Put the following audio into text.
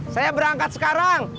saya berangkat sekarang